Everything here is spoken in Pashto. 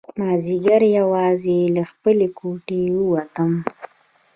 مازیګر یوازې له خپلې کوټې ووتم.